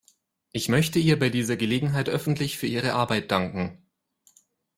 Ich möchte ihr bei dieser Gelegenheit öffentlich für ihre Arbeit danken.